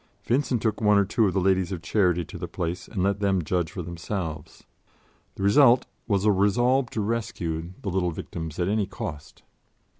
Vincent took one or two of the Ladies of Charity to the place and let them judge for themselves. The result was a resolve to rescue the little victims at any cost.